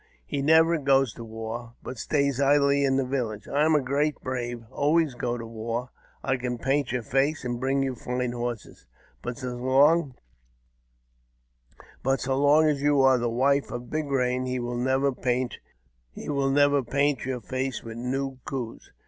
He never goes to war, but stays idly in the village. I am a great brave, and always go to war. I can paint your face, and bring you fine horses ; but so long as you are the wife of Big Eain, he will never paint your face with new coos."